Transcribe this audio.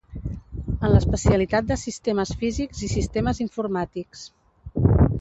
En l'especialitat de sistemes Físics i Sistemes Informàtics.